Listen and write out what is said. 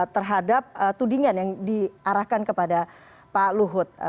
terhadap tudingan yang diarahkan kepada pak luhut